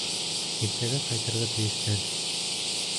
Иртәгә ҡайтырға тейештәр.